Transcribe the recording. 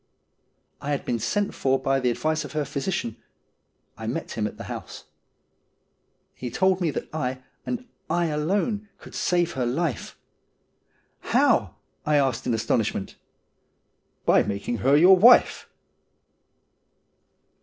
I had been sent for by the advice of her physician. 1 met him at the house. He told me that I, and 1 alone, could save her life. ' How ?' I asked in astonishment. ' By making her your wife